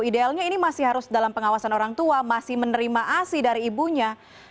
idealnya ini masih harus dalam pengawasan orang tua masih menerima asi dari ibunya